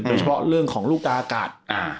เป็นเฉพาะเรื่องของรูปการอากาศ